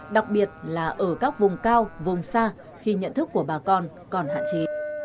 đặc biệt là ở các vùng cao vùng xa khi nhận thức của bà con còn hạn chế